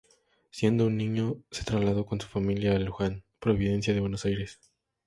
Siendo aún niño, se trasladó con su familia a Luján, provincia de Buenos Aires.